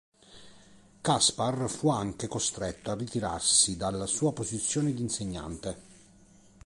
Kaspar fu anche costretto a ritirarsi dalla sua posizione di insegnante.